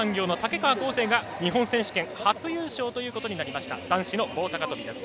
生が日本選手権初優勝ということになりました男子の棒高跳びです。